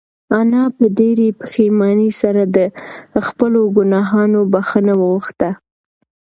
انا په ډېرې پښېمانۍ سره د خپلو گناهونو بښنه وغوښته.